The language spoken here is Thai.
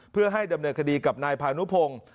เพื่อให้ดำเนินคดีกับนายพานุพงศ์